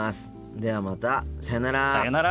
ではまたさようなら。